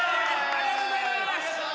ありがとうございます！